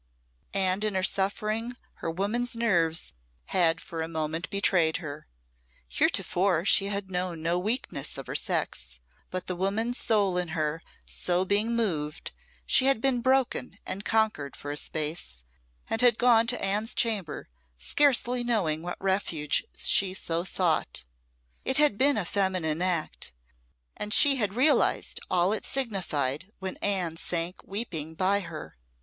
And in her suffering her woman's nerves had for a moment betrayed her. Heretofore she had known no weakness of her sex, but the woman soul in her so being moved, she had been broken and conquered for a space, and had gone to Anne's chamber, scarcely knowing what refuge she so sought. It had been a feminine act, and she had realised all it signified when Anne sank weeping by her.